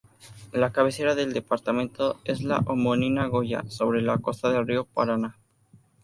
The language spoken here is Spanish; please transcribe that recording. La cabecera del departamento es la homónima Goya, sobre la costa del río Paraná.